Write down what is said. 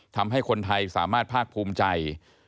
ทำให้คนไทยสามารถภาคภูมิใจ